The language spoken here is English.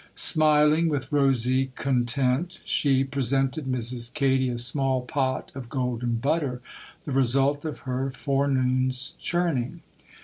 Smiling with rosy content, she presented Mrs. Katy a small pot of golden butter,—the result of her forenoon's churning.